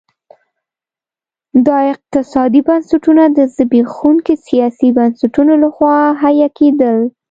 دا اقتصادي بنسټونه د زبېښونکو سیاسي بنسټونو لخوا حیه کېدل.